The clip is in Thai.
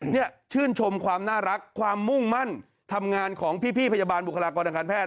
นี่ชื่นชมความน่ารักความมุ่งมั่นทำงานของพี่พยาบาลบุคลากรทางการแพท